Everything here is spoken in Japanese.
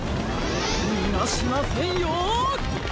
にがしませんよ。